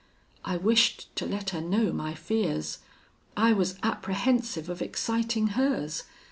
I wished to let her know my fears: I was apprehensive of exciting hers.